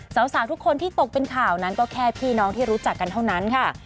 สาวทุกคนที่ตกเป็นข่าวนั้นก็แค่พี่น้องที่รู้จักกันเท่านั้นค่ะ